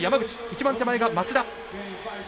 一番手前が松田。